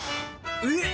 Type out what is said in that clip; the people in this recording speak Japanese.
えっ！